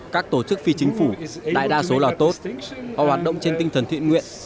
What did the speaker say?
các tổ chức phi chính phủ đại đa số là tốt họ hoạt động trên tinh thần thiện nguyện